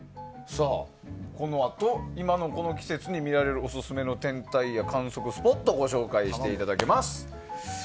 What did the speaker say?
このあと今のこの季節に見られるオススメの天体や観測スポットをご紹介していただきます。